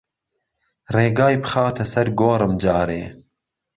ڕێگای بخاتە سەر گۆڕم جارێ